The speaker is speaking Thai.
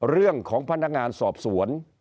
เรื่องของพนักงานสอบสวน